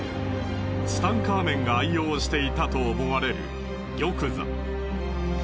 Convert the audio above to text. ツタンカーメンが愛用していたと思われる玉座。